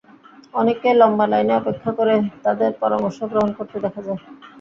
অনেককেই লম্বা লাইনে অপেক্ষা করে তাঁদের পরামর্শ গ্রহণ করতে দেখা যায়।